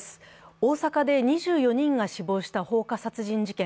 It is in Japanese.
大阪で２４人が死亡した放火殺人事件。